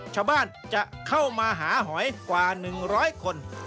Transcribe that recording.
ชาวบ้านจะเข้ามาหาหอยกว่า๑๐๐คน